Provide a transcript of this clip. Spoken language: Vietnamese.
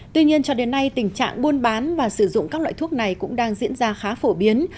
tuy nhiên cho đến nay tình trạng buôn bán và sử dụng các loại thuốc này cũng đang diễn ra khá phổ biến